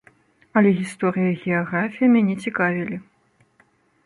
Але гісторыя і геаграфія мяне цікавілі.